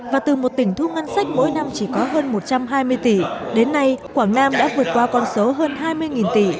và từ một tỉnh thu ngân sách mỗi năm chỉ có hơn một trăm hai mươi tỷ đến nay quảng nam đã vượt qua con số hơn hai mươi tỷ